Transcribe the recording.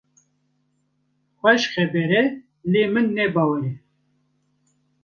Xweş xeber e, lê min ne bawer e.